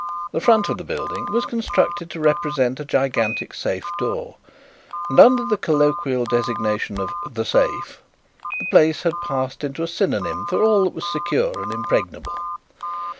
The front of the building was constructed to represent a gigantic safe door, and under the colloquial designation of "The Safe" the place had passed into a synonym for all that was secure and impregnable.